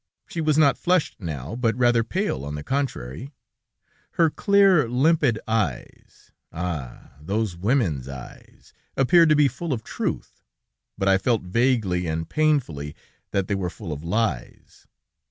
She was not flushed now, but rather pale, on the contrary. Her clear, limpid eyes ah! those women's eyes! appeared to be full of truth, but I felt vaguely and painfuly that they were full of lies.